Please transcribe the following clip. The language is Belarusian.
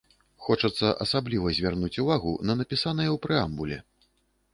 Хочацца асабліва звярнуць увагу на напісанае ў прэамбуле.